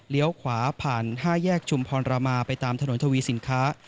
ขวาผ่าน๕แยกชุมพรรามาไปตามถนนทวีสินค้า